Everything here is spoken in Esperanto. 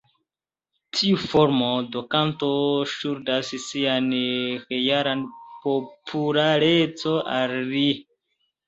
Tiu formo de kanto ŝuldas sian realan popularecon al li.